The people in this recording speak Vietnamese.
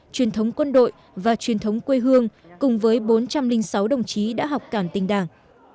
truyền thống quân đội và truyền thống quê hương cùng với bốn trăm linh sáu đồng chí đã học cản tình đảng